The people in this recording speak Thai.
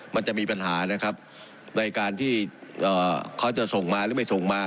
มันจะมีปัญหานะครับในการที่เขาจะส่งมาหรือไม่ส่งมา